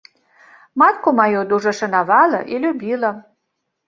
Матку маю дужа шанавала і любіла.